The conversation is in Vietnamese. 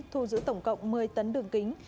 thu giữ tổng cộng một mươi tấn đường kính